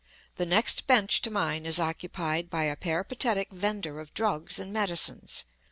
The next bench to mine is occupied by a peripatetic vender of drugs and medicines.